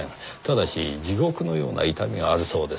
ただし地獄のような痛みがあるそうです。